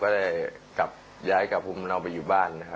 ก็เลยย้ายกับภูมินอลไปอยู่บ้าน